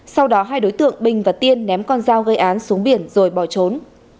sau đó hai đối tượng bình và tiên ném con dao gây án xuống biển rồi bỏ trốn